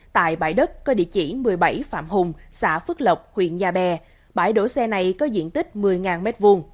tại bãi đất có địa chỉ một mươi bảy phạm hùng xã phước lộc huyện nhà bè bãi đổ xe này có diện tích một mươi m hai